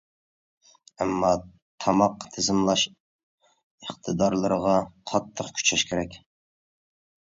ئەمما تاماق تىزىملاش ئىقتىدارلىرىغا قاتتىق كۈچەش كېرەك.